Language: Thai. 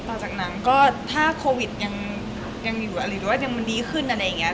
ต่อจากหนังก็ถ้าโควิดยังอยู่หรือว่ายังดีขึ้นอะไรเงี้ย